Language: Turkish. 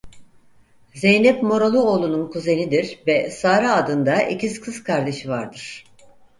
Zeynep Moralıoğlu'nun kuzenidir ve Sara adında ikiz kız kardeşi vardır.